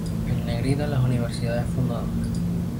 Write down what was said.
En negrita las universidades fundadoras